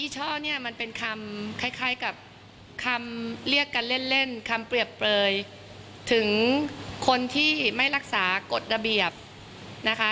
มันเป็นคำคล้ายกับคำเรียกกันเล่นคำเปรียบเปลยถึงคนที่ไม่รักษากฎระเบียบนะคะ